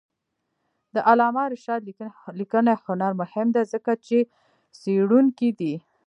د علامه رشاد لیکنی هنر مهم دی ځکه چې څېړونکی دی.